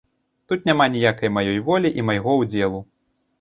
Тут няма ніякай маёй волі і майго ўдзелу.